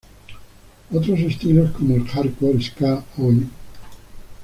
Otros estilos como el "hardcore", "ska", "Oi!